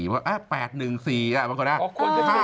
เพราะว่า๘๑๔มันคนน่ะ